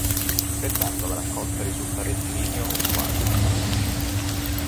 Pertanto alla raccolta risulta rettilineo o quasi.